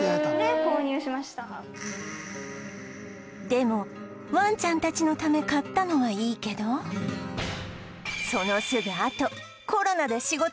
でもワンちゃんたちのため買ったのはいいけどそのすぐあとコロナで仕事ががた減り